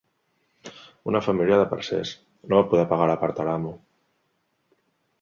Una família de parcers, no va poder pagar la part a l'amo